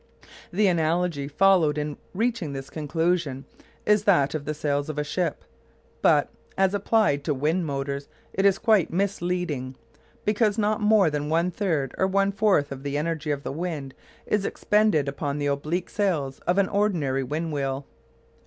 The analogy followed in reaching this conclusion is that of the sails of a ship, but, as applied to wind motors, it is quite misleading, because not more than one third or one fourth of the energy of the wind is expended upon the oblique sails of an ordinary wind wheel.